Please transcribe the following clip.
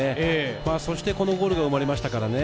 そしてこのゴールが生まれました。